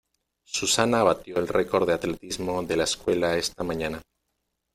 Susana batió el récord de atletismo de la escuela esta mañana.